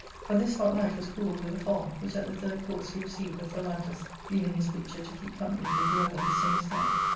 But this hot knight was cooled with a fall, which at the third course he received of Phalantus, leaving his picture to keep company with the other of the same stamp.